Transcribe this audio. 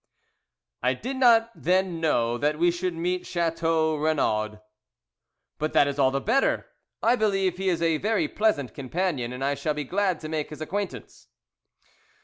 "I did not then know that we should meet Chateau Renaud." "But that is all the better. I believe he is a very pleasant companion, and I shall be glad to make his acquaintance."